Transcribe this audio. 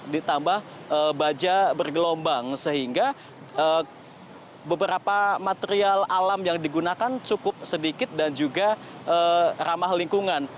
ditambah baja bergelombang sehingga beberapa material alam yang digunakan cukup sedikit dan juga ramah lingkungan